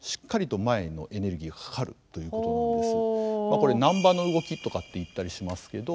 これ「なんばの動き」とかって言ったりしますけど。